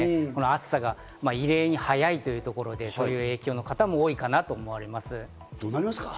暑さが異例に早いというところで、そういう影響の方も多いかなと思われます。